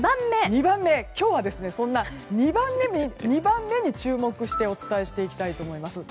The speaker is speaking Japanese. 今日はそんな２番目に注目してお伝えしていきたいと思います。